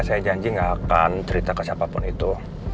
saya janji gak akan cerita ke siapapun itu